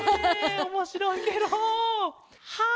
おもしろいケロ！はあ